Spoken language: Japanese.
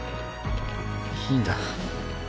いいんだ。